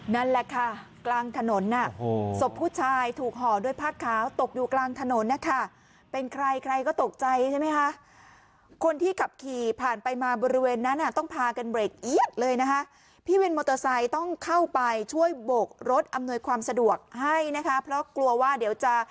นั่นแหละค่ะกลางถนนศพผู้ชายถูกห่อด้วยผ้าขาวตกอยู่กลางถนนนะคะเป็นใครใครก็ตกใจใช่ไหมคะคนที่ขับขี่ผ่านไปมาบริเวณนั้นอ่ะต้องพากันเบรกเอี๊ยดเลยนะคะพี่วินมอเตอร์ไซค์ต้องเข้าไปช่วยโบกรถอำนวยความสะดวกให้นะคะเพราะกลัวว่าเดี๋ยวจะ